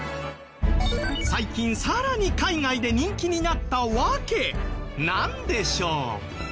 最近さらに海外で人気になったわけなんでしょう？